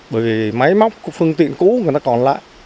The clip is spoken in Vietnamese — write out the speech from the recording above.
bởi máy móc của phương tiện cũ người ta còn lại